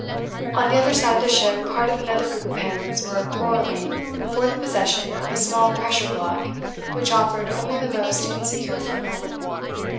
On the other side of the ship part of another group of penguins were quarrelling for the possession of a small pressure block which offered only the most insecure foothold.